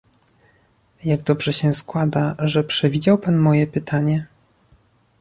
Jak dobrze się składa, że przewidział pan moje pytanie